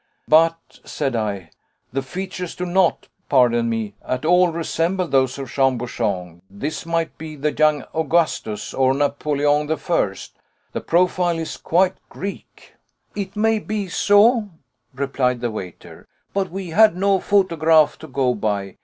"But," said I, "the features do not pardon me at all resemble those of Jean Bouchon. This might be the young Augustus, or Napoleon I. The profile is quite Greek." "It may be so," replied the waiter. "But we had no photograph to go by.